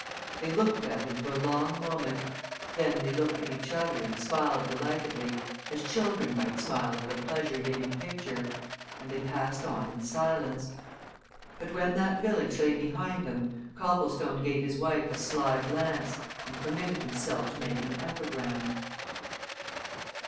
They looked at him for a long moment; then they looked at each other and smiled delightedly, as children might smile at a pleasure giving picture, and they passed on in silence. But when that village lay behind them, Copplestone gave his wife a sly glance, and permitted himself to make an epigram.